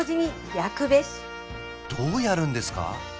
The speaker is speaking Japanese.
どうやるんですか？